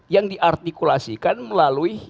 yang diartikulasikan melalui